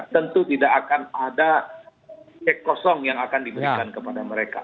tentu tidak akan ada cek kosong yang akan diberikan kepada mereka